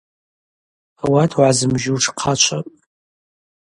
Ауат угӏазымжьуш хъачвапӏ.